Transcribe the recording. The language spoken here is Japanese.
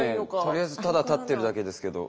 とりあえずただ立ってるだけですけど。